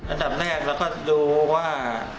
อันดับแรกเราก็ดูว่า